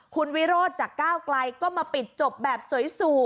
คุณวิโรธจากก้าวไกลก็มาปิดจบแบบสวย